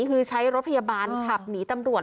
คือใช้รถพยาบาลขับหนีตำรวจ